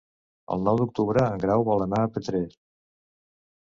El nou d'octubre en Grau vol anar a Petrer.